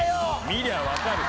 見りゃ分かる！